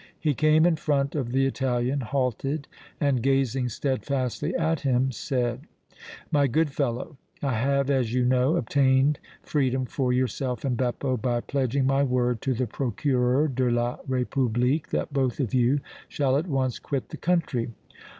He came in front of the Italian, halted and, gazing steadfastly at him, said: "My good fellow, I have, as you know, obtained freedom for yourself and Beppo by pledging my word to the Procureur de la République that both of you shall at once quit the country.